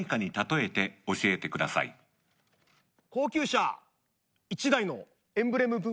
高級車１台のエンブレム分。